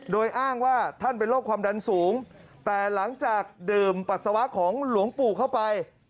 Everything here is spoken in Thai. โดยอ้างว่าท่านเป็นโรคความดันสูงแต่หลังจากดื่มปัสสาวะของหลวงปู่เข้าไป